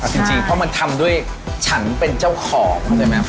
เพราะมันทำด้วยฉันเป็นเจ้าของ